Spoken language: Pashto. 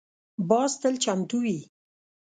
باز تل چمتو وي